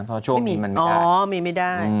เพราะโชคมีมันไม่ได้